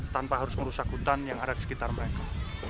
tanpa harus merusak hutan yang ada di sekitar mereka